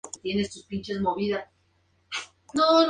Su madre era Helena Maria Mines.